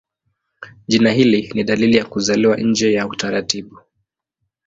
Jina hili ni dalili ya kuzaliwa nje ya utaratibu.